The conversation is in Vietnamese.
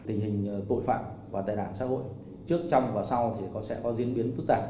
tình hình tội phạm và tài đảng xã hội trước trong và sau sẽ có diễn biến phức tạp